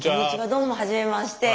どうもはじめまして。